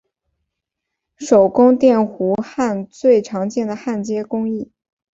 手工电弧焊最常见的焊接工艺。